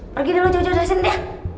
pergi dulu jauh jauh dari sini deh